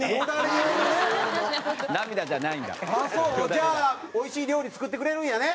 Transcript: じゃあ美味しい料理作ってくれるんやね？